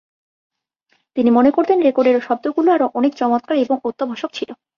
তিনি মনে করতেন, রেকর্ড এর শব্দগুলো আরও অনেক চমৎকার এবং অত্যাবশ্যক ছিল।